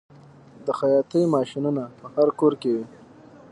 د خیاطۍ ماشینونه په هر کور کې وي